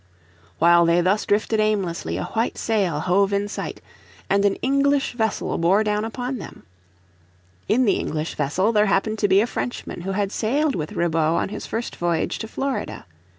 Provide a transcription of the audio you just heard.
While they thus drifted aimlessly a white sail hove in sight, and an English vessel bore down upon them. In the English vessel there happened to be a Frenchman who had sailed with Ribaut on his first voyage to Florida.